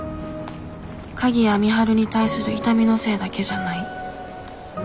鍵谷美晴に対する痛みのせいだけじゃない。